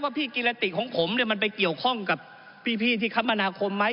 ว่าพี่กิลละติของผมเนี่ยมันไปเกี่ยวข้องกับพี่ที่คัมภนาคมไหม